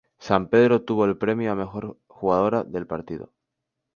Sampedro obtuvo el premio a mejor jugadora del partido.